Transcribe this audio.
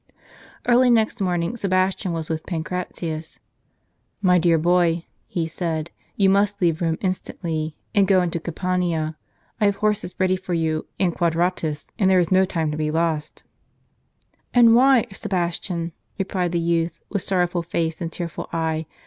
Early next morning Sebastian was with Pancratius. " My dear boy," he said, "you must leave Rome instantly, and go * This is related in the Acts just referred to. # into Campania. I have horses ready for you and Quadratus ; and there is no time to be lost." " And why, Sebastian ?" replied the youth, with sorrowful face and tearful eye.